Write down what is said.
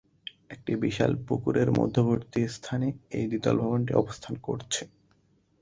একটি বিশাল পুকুর এর মধ্যবর্তী স্থানে এই দ্বিতল ভবনটি অবস্থান করছে।